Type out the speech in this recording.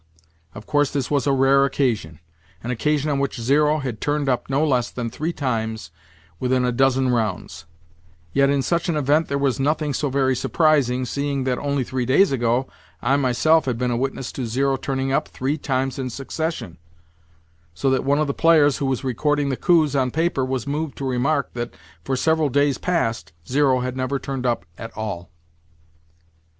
Of course this was a rare occasion—an occasion on which zero had turned up no less than three times within a dozen rounds; yet in such an event there was nothing so very surprising, seeing that, only three days ago, I myself had been a witness to zero turning up three times in succession, so that one of the players who was recording the coups on paper was moved to remark that for several days past zero had never turned up at all!